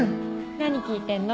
何聴いてんの？